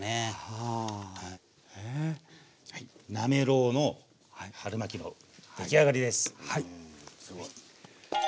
はいなめろうの春巻の出来上がりです。